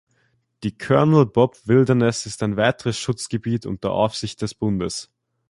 Die Colonel Bob Wilderness ist ein weiteres Schutzgebiet unter Aufsicht des Bundes.